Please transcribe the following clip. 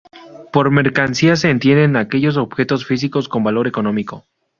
Por mercancía se entienden aquellos objetos físicos con valor económico.